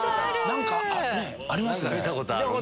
何かありますよね。